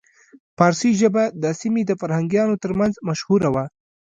پارسي ژبه د سیمې د فرهنګیانو ترمنځ مشهوره وه